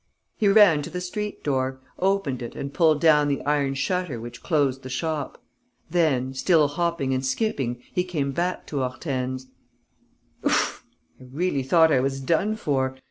He ran to the street door, opened it and pulled down the iron shutter which closed the shop. Then, still hopping and skipping, he came back to Hortense: "Oof! I really thought I was done for!